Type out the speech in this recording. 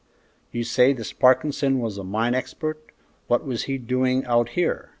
"You say this Parkinson was a mine expert; what was he doing out here?"